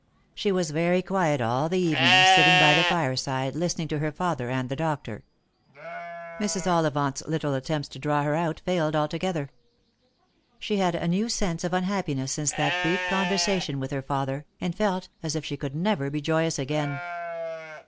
She was very quiet all the evening, sitting by the fire Lost for Love. 37 side listening to her father and the doctor. Mrs. Ollivant's little attempts to draw her out failed altogether. She had a new sense of unhappiness since that brief conversation with her father, and felt as if she could never be joyous again.